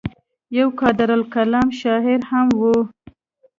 يو قادرالکلام شاعر هم وو